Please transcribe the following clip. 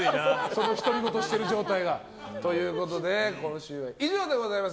独り言してる状態が。ということで今週は以上でございます。